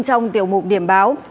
trong tiểu mục điểm báo